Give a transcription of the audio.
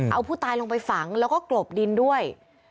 เอาผู้ตายลงไปฝังแล้วก็กลบดินด้วย